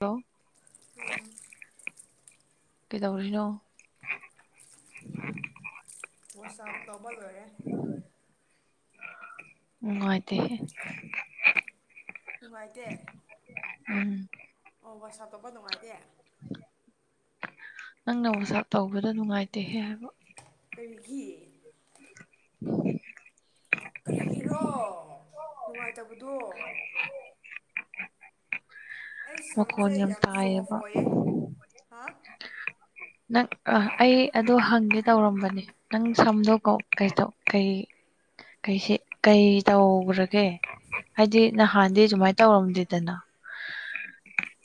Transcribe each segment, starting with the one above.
hello ꯎꯝ ꯀꯗ ꯀꯁꯅꯣ ꯋꯥꯆꯞ ꯇꯧꯕ ꯂꯣꯏꯔꯦ ꯉꯉꯥꯏ ꯇ ꯅꯨꯡꯉꯥꯏꯇꯦ ꯎꯝ ꯍ ꯃꯣ ꯁꯥꯇꯣꯞꯄ ꯅꯨꯡꯉꯥꯏꯇꯦ ꯅꯪꯅ ꯎꯁꯥꯛ ꯇꯧꯕꯗ ꯅꯨꯡꯉꯥꯏꯇꯦꯍꯦ ꯍꯥꯏꯕ ꯀꯒꯤ ꯑꯣ ꯀꯔꯤꯒꯤꯔꯣ ꯅꯨꯡꯉꯥꯏꯇꯕꯗꯣ ꯑꯩ ꯃ ꯁꯝꯁꯦ ꯀꯣꯅꯤꯌꯝ ꯌꯥꯝ ꯇꯥꯌꯦ ꯁꯣꯐ ꯑꯣꯏꯌꯦ ꯍꯥ ꯅꯪ ꯑꯩ ꯑꯗꯨꯣ ꯍꯪꯒꯦ ꯇꯧꯔꯝꯕꯅꯦ ꯅꯪ ꯁꯝꯗꯣꯀꯣ ꯀꯩꯗꯣ ꯀꯩ ꯀꯩꯁꯤ ꯀꯩ ꯇꯧꯈ꯭ꯔꯒꯦ ꯍꯥꯏꯗꯤ ꯅꯍꯥꯟꯗꯤ ꯁꯨꯃꯥꯏꯅ ꯇꯧꯔꯝꯗꯦꯗꯅ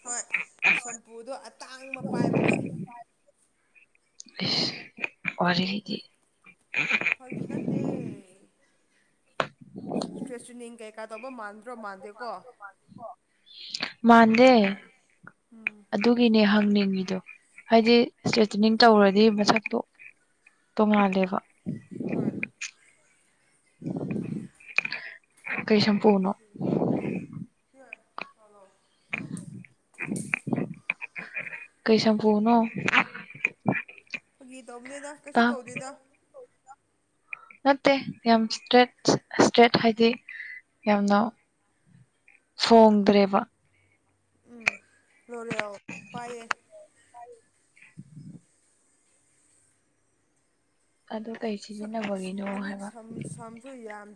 ꯍꯣꯏ ꯁꯝꯄꯨꯗꯣ ꯑꯇꯥꯡꯕ ꯄꯥꯏꯕꯒꯦ ꯑꯣꯏꯗꯤ ꯐꯒꯤꯒꯠꯇ ꯀ꯭ꯔꯦꯁꯨꯅꯤꯀꯩꯀ ꯇꯕꯨ ꯃꯥꯗ꯭ꯔ ꯃꯥꯗꯦꯀ ꯃꯥꯟꯗꯦ ꯑꯗꯨꯒꯤꯅꯦ ꯍꯪꯅꯤꯡꯉꯤꯗꯣ ꯍꯥꯏꯗꯤ ꯏꯁꯇ꯭ꯔꯦꯇꯤꯅꯤꯡ ꯇꯧꯔꯗꯤ ꯃꯁꯛꯇꯣ ꯇꯣꯉꯗꯦꯕ ꯍꯣꯏ ꯀꯩꯁ ꯌꯥꯝ ꯄꯨꯅꯣ ꯑ ꯀꯩꯁꯝ ꯄꯨꯅꯣ ꯐꯅꯤ ꯇꯧꯕꯅꯦꯗ ꯀꯩꯁꯨ ꯇꯧꯔꯤꯗ ꯅꯠꯇꯦ ꯌꯥꯝ ꯏꯁꯇ꯭ꯔꯦ ꯏꯁꯇ꯭ꯔꯦꯠ ꯍꯥꯏꯗꯤ ꯌꯥꯝꯅ ꯐꯣꯡꯗ꯭ꯔꯦꯕ ꯎꯝ ꯂꯣꯔꯥꯎ ꯄꯥꯏꯌꯦ ꯑꯗꯨ ꯀꯩ ꯁꯤꯖꯤꯟꯅꯕꯒꯤꯅꯣ ꯍꯥꯏꯕ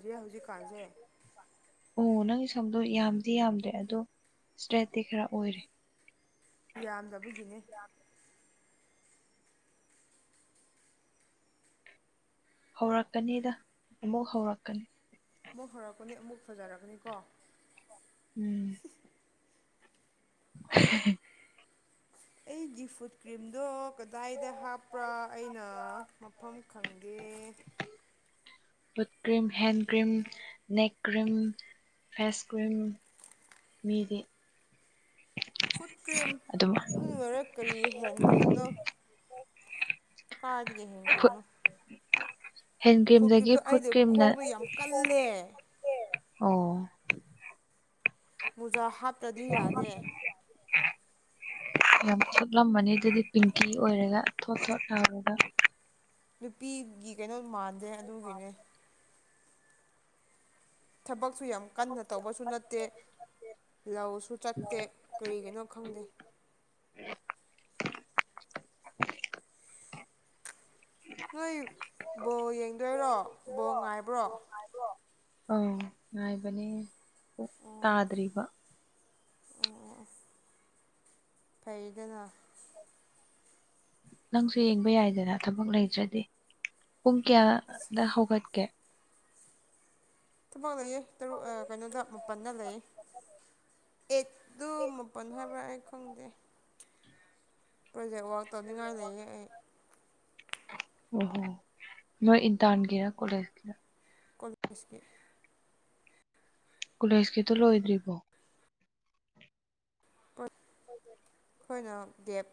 ꯁꯤ ꯍꯧꯖꯤꯛꯀꯥꯟꯁꯦ ꯑꯣ ꯅꯪꯒꯤ ꯁꯝꯗꯣ ꯌꯥꯝꯗꯤ ꯌꯥꯝꯗ꯭ꯔꯦ ꯑꯗꯣ ꯏꯁꯇ꯭ꯔꯦꯠꯇꯠꯇꯤ ꯈꯔ ꯑꯣꯏꯔꯦ ꯌꯥꯝꯗꯕꯒꯤꯅꯦ ꯍꯧꯔꯛꯀꯅꯤꯗ ꯑꯃꯨꯛ ꯍꯧꯔꯛꯀꯅꯤ ꯑꯃꯨꯛ ꯍꯧꯔꯛꯀꯅꯤ ꯑꯃꯨꯛ ꯐꯖꯔꯛꯀꯅꯤꯀꯣ ꯎꯝ [inaudible] ꯑꯩꯒꯤ ꯐꯨꯗ ꯀ꯭ꯔꯤꯝꯗꯣ ꯀꯗꯥꯏꯗ ꯍꯥꯞꯄ꯭ꯔꯥ ꯑꯩꯅ ꯃꯐꯝ ꯈꯪꯗꯦ ꯄ foot cream hand cream ꯅꯦꯛꯦꯛ cream face cream ꯃꯤꯒꯤ ꯐꯨꯠ ꯀ꯭ꯔꯤꯝ ꯅꯨꯡꯅꯔ ꯀꯔꯤ ꯍꯦꯟ ꯀ꯭ꯔꯤꯝꯅꯣ ꯀꯥꯖꯒꯦꯁꯤ ꯀꯅꯣ ꯍꯦꯟ ꯀ꯭ꯔꯤꯝꯗꯒꯤ ꯐꯨꯠ ꯀ꯭ꯔꯤꯝꯅ ꯈꯣꯡꯗꯣ ꯌꯥꯝ ꯀꯜꯂꯦ ꯑꯣ ꯖ ꯍꯥꯞꯇ꯭ꯔꯗꯤ ꯌꯥꯗꯦ ꯌꯥꯝ ꯁꯣꯠꯂꯝꯕꯅꯤ ꯑꯗꯨꯗꯤ ꯄꯤꯡꯀꯤ ꯑꯣꯏꯔꯒ ꯊꯣꯠ ꯊꯣꯠ ꯇꯥꯎꯔꯒ ꯅꯨꯄꯤꯒꯤ ꯀꯩꯅꯣ ꯃꯥꯟꯗꯦ ꯑꯗꯨꯒꯤꯅꯦ ꯊꯕꯛꯁꯨ ꯌꯥꯝ ꯀꯟꯅ ꯇꯧꯕꯁꯨ ꯅꯠꯇꯦ ꯂꯧꯁꯨ ꯆꯠꯇꯦ ꯀꯔꯤꯒꯤꯅꯣ ꯈꯪꯗꯦ ꯅꯣꯏ ꯕꯣ ꯌꯦꯡꯗꯣꯏꯔꯣ ꯕꯣ ꯉꯥꯏꯕ꯭ꯔꯣ ꯑꯧ ꯉꯥꯏꯕꯅꯦ ꯑꯣ ꯇꯥꯗ꯭ꯔꯤꯕ ꯑꯣ ꯑꯣ ꯐꯩꯗꯅ ꯅꯪꯁꯨ ꯌꯦꯡꯕ ꯌꯥꯏꯗꯅ ꯊꯕꯛ ꯂꯩꯇ꯭ꯔꯗꯤ ꯄꯨꯡ ꯑꯁ ꯀꯌꯥꯗ ꯍꯧꯒꯠꯀꯦ ꯄꯥꯛ ꯂꯩꯌꯦ ꯇꯔꯨꯛ ꯀꯩꯅꯣꯗ ꯑꯃꯨꯛ ꯃꯥꯄꯟꯅ ꯂꯩ ꯑꯦꯠꯇꯨ ꯃꯥꯄꯟ ꯍꯥꯏꯕ꯭ꯔꯥ ꯑꯩ ꯈꯪꯗꯦ ꯄ꯭ꯔꯖꯦꯛ ꯋꯥꯋꯥꯛ ꯇꯧꯅꯤꯡꯉꯥꯏ ꯂꯩꯌꯦ ꯑꯩ ꯑꯣ ꯍꯣ ꯅꯣꯏ ꯏꯟꯇꯥꯟꯒꯔ ꯀꯣꯂꯦꯖ ꯀꯣꯂꯦꯖꯀꯤ ꯀꯣꯂꯦꯖꯀꯤꯗꯨꯣ ꯂꯣꯏꯗ꯭ꯔꯤꯕꯣ ꯄ ꯍ ꯑꯩꯈꯣꯏꯅ ꯗꯒꯦꯞ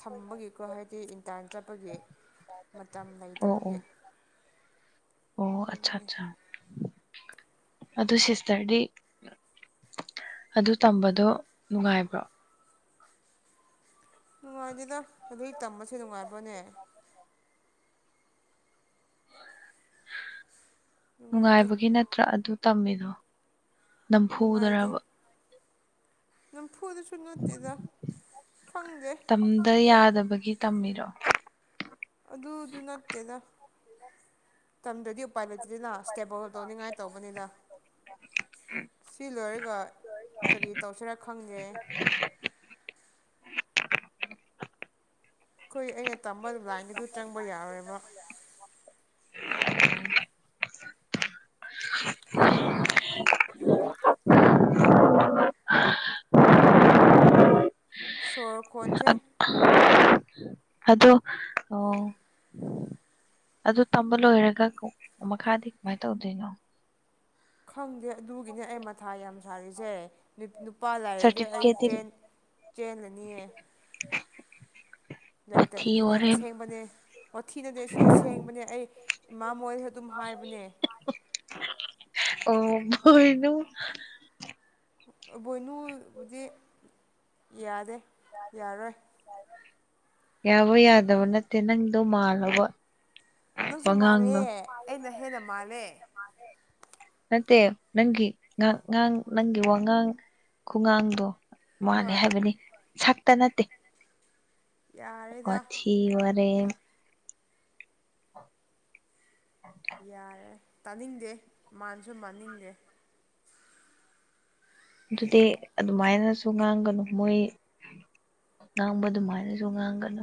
ꯊꯝꯕꯒꯤꯀꯣ ꯍꯥꯏꯗꯤ ꯏꯟꯇꯥꯟ ꯆꯠꯄꯒꯤ ꯃꯇꯝ ꯑꯣ ꯑꯣ ꯂꯩꯇꯕꯒꯤ ꯑꯣ ꯑꯠꯆꯥ ꯑꯗꯨꯒꯤꯅꯦ ꯑꯠꯆꯥ ꯑꯗꯨ ꯁꯤꯁꯇꯔꯗꯤ ꯑꯗꯨ ꯇꯝꯕꯗꯣ ꯅꯨꯡꯉꯥꯏꯕ꯭ꯔꯣ ꯅꯨꯡꯉꯥꯏꯖꯗ ꯑꯗꯨꯒꯤ ꯇꯝꯕꯁꯦ ꯅꯨꯡꯉꯥꯏꯕꯅꯦ ꯅꯨꯡꯉꯥꯏꯗꯦ ꯅꯨꯡꯉꯥꯏꯕꯒꯤ ꯅꯠꯇ꯭ꯔꯥ ꯑꯗꯨ ꯇꯝꯃꯤꯗꯣ ꯅꯝꯐꯨꯗꯔꯕ ꯅꯝ ꯐꯨꯗꯁꯨ ꯅꯠꯇꯦꯗ ꯈꯪꯗꯦ ꯇꯝꯗ ꯌꯥꯗꯕꯒꯤ ꯇꯝꯃꯤꯔꯣ ꯑꯗꯨ ꯑꯗꯨ ꯅꯠꯇꯦꯗ ꯇꯝꯗ꯭ꯔꯗꯤ ꯎꯄꯥꯥꯏꯂ ꯅꯠꯇ꯭ꯔꯤꯂ ꯏꯁ꯭ꯇꯦꯕꯜ ꯇꯧꯅꯤꯡꯉꯥꯏ ꯇꯧꯕꯅꯤꯗ ꯁꯤ ꯂꯣꯏꯔꯒ ꯀꯔꯤ ꯇꯧꯁꯤꯔꯥ ꯈꯪꯒꯦ ꯑꯩꯈꯣꯏ ꯑꯩꯅ ꯇꯝꯕ ꯂꯥꯏꯟ ꯑꯗꯨ ꯆꯪꯕ ꯌꯥꯔꯣꯏꯕ ꯁꯣꯔ ꯈꯣꯟꯖꯩ ꯑꯗꯣ ꯑꯣ ꯑꯗꯨ ꯇꯝꯕ ꯂꯣꯏꯔꯒ ꯃꯈꯥꯗꯤ ꯀꯃꯥꯏꯅ ꯇꯧꯗꯣꯏꯅꯣ ꯈꯪꯗꯦ ꯑꯗꯨꯒꯤꯅꯦ ꯑꯩ ꯃꯊꯥ ꯌꯥꯝ ꯁꯥꯔꯤꯁꯦ ꯂꯨꯄꯥ ꯂꯥꯏꯔꯗꯤ ꯑꯩ ꯁꯔꯇꯤꯐꯤꯀꯦꯠꯇꯤ ꯆꯦꯜꯂꯅꯤꯌꯦ ꯊꯤ ꯂꯩꯇꯕꯒꯤꯅꯦ ꯋꯥꯔꯦꯝ ꯑꯁꯦꯡꯕꯅꯦ ꯑꯣꯣꯊꯤꯅꯅꯦ ꯁꯤ ꯑꯁꯦꯡꯕꯅꯦ ꯑꯩ ꯏꯃꯥ ꯃꯣꯏꯗꯁꯨ ꯑꯗꯨꯝ ꯍꯥꯏꯕꯅꯦ ꯑꯣ ꯃꯣꯏꯅꯨ ꯚꯣꯏꯅꯨꯕꯨꯗꯤ ꯌꯥꯗꯦ ꯌꯥꯔꯣꯏ ꯌꯥꯕ ꯌꯥꯗꯕ ꯅꯠꯇꯦ ꯅꯪꯗꯣ ꯃꯥꯜꯂꯕ ꯅꯪꯁꯨ ꯃꯥꯜꯂꯦ ꯋꯥꯉꯥꯡꯗꯣ ꯑꯩꯅ ꯍꯦꯟꯅ ꯃꯥꯜꯂꯦ ꯅꯠꯇꯦ ꯅꯪꯒꯤ ꯉꯥꯡ ꯅꯪꯒꯤ ꯋꯥꯉꯥꯡ ꯈꯨꯉꯥꯡꯗꯣ ꯃꯥꯂꯦ ꯍꯣꯏ ꯍꯥꯏꯕꯅꯤ ꯁꯛꯇ ꯅꯠꯇꯦ ꯑꯣ ꯌꯥꯔꯦꯗ ꯊꯤ ꯋꯥꯅꯤ ꯦ ꯌꯥꯔꯦ ꯇꯥꯅꯤꯡꯗꯦ ꯃꯥꯥꯟꯁꯨ ꯃꯅꯤꯡꯗ꯭ꯔꯦ ꯑꯗꯨꯗꯤ ꯑꯗꯨꯃꯥꯏꯅꯁꯨ ꯉꯥꯡꯒꯅꯨ ꯃꯣꯏ ꯑꯕꯗꯨ ꯃꯥꯥꯏꯅꯤꯁꯨ ꯉꯥꯡꯒꯅ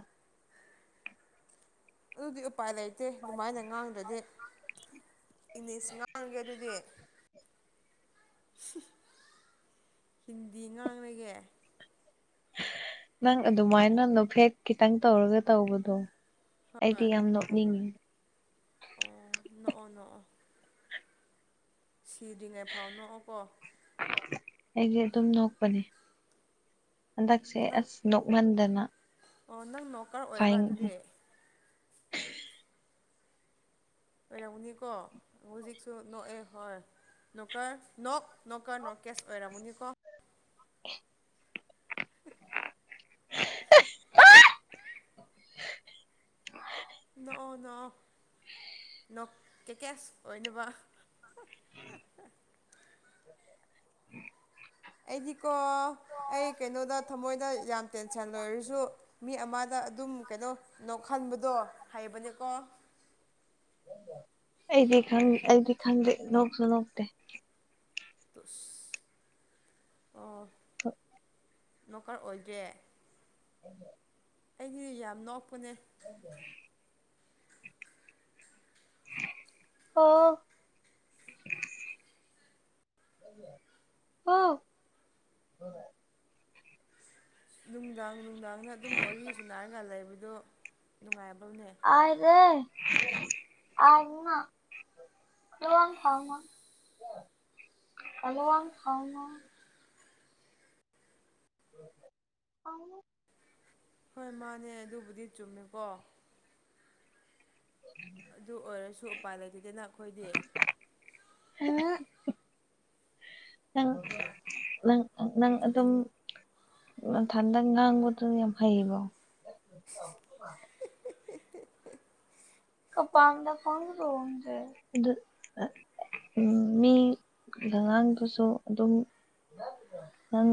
ꯑꯗꯨꯗꯤ ꯎꯄꯥꯏ ꯂꯩꯇꯦ ꯑꯗꯨꯃꯥꯏꯅ ꯉꯥꯡꯗ꯭ꯔꯗꯤ ꯏꯪꯂꯤꯁ ꯉꯥꯡꯔꯒꯦ ꯑꯗꯨꯗꯤ ꯍꯤꯟꯗꯤ ꯉꯥꯡꯅꯒꯦ ꯅꯪ ꯑꯗꯨꯃꯥꯏꯅ ꯅꯣꯐꯦꯛ ꯈꯤꯇꯪ ꯇꯧꯔꯒ ꯇꯧꯕꯗꯣ ꯑꯩꯗꯤ ꯌꯥꯝ ꯅꯣꯛꯅꯤꯡꯉꯤ ꯑꯣ ꯅꯣ ꯅꯣ ꯁꯤꯗ꯭ꯔꯤꯉꯩ ꯐꯥꯎ ꯅꯣꯛꯑꯣꯀꯣ ꯑꯩꯁ ꯑꯗꯨꯝ ꯅꯣꯛꯄꯅꯤ ꯍꯟꯗꯛꯁꯦ ꯅꯪ ꯑꯁ ꯅꯣꯛꯃꯟꯗꯅ ꯑꯣ ꯅꯪ ꯅꯣꯀꯔ ꯑꯣꯏꯕ꯭ꯔꯥ ꯐꯥꯏꯟ ꯑꯗꯨꯗꯤ ꯑꯣꯏꯔꯥꯍꯨꯅꯤ ꯀꯣ ꯍꯧꯖꯤꯛꯁꯨ ꯅꯑ ꯍꯣꯏ ꯅꯀ ꯅ ꯅꯣꯀꯔ ꯅꯣꯀꯦꯁ ꯑꯣꯏꯔꯝꯃꯅꯤꯀꯣ [unintelligible] [unintelligible] ꯅ ꯅ ꯅ ꯀ ꯀꯦ ꯑꯣꯏ ꯅꯨꯕ [unintelligible] ꯎꯝ ꯑꯩꯗꯤꯀꯣ ꯑꯩ ꯀꯩꯅꯣꯗ ꯊꯃꯣꯏꯗ ꯌꯥꯝ ꯇꯦꯟꯁꯟ ꯂꯣꯏꯔꯁꯨ ꯃꯤ ꯑꯃꯗ ꯑꯗꯨꯝ ꯀꯩꯅꯣ ꯈꯟꯕꯗꯣ ꯍꯩꯕꯅꯦꯀꯣ ꯑꯩꯗꯤ ꯑꯩꯗꯤ ꯈꯪꯗꯦ ꯅꯣꯛꯁꯨ ꯅꯣꯛꯇꯦ ꯑꯣ [unintelligible] ꯅꯔꯀꯥꯔ ꯑꯣꯏꯗ꯭ꯔꯦ ꯎꯝ ꯑꯩꯗꯤ ꯌꯥꯝ ꯅꯣꯛꯄꯅꯦ ꯑꯣ [unintelligible] ꯍ‌ꯣ ꯅꯨꯡꯗꯥꯡ ꯅꯨꯡꯗꯥꯡꯅ ꯑꯗꯨꯝ ꯋꯥꯔꯤ ꯁꯨꯅꯥꯔꯀꯥꯟ ꯂꯩꯕꯗꯣ ꯅꯨꯡꯉꯥꯏꯕ ꯑꯗꯦ ꯑꯃꯥ ꯑꯂ ꯊꯥꯎ ꯑꯂ ꯋꯥ ꯊꯥꯎꯅꯥ ꯑꯥ ꯍꯣꯏ ꯃꯥꯅꯦ ꯑꯗꯨꯕꯨꯗꯤ ꯆꯨꯝꯃꯦꯀꯣ ꯑꯗꯨ ꯑꯣꯏꯔꯁꯨ ꯎꯄꯥꯏ ꯂꯩꯇꯗꯅ ꯑꯩꯈꯣꯏꯗꯤ [inaudible] ꯅꯪ ꯅꯪ ꯅꯪ ꯑꯗꯨꯝ ꯊꯥꯗꯥ ꯅꯥꯒ ꯇ ꯍꯥꯏꯕ [inaudible] ꯀꯄꯥꯝꯗ ꯐꯣꯡ꯭ꯔꯣꯗ ꯎꯝ ꯃꯤ ꯑꯉꯥꯡꯗꯨꯁꯨ ꯑꯗꯨꯝ ꯅꯪ